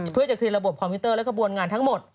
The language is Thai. เพื่อจะเคลียร์ระบบคอมพิวเตอร์และกระบวนงานทั้งหมด